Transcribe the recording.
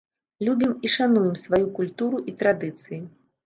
Любім і шануем сваю культуру і традыцыі.